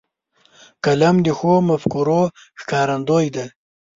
قلم د ښو مفکورو ښکارندوی دی